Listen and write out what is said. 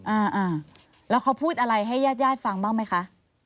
อ่าอ่าแล้วเขาพูดอะไรให้ญาติญาติฟังบ้างไหมคะ